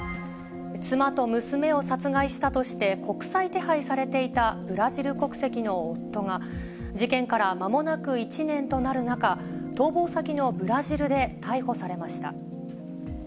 妻と娘を殺害したとして国際手配されていたブラジル国籍の夫が、事件からまもなく１年となる中、逃亡先のブラジルで逮捕されました。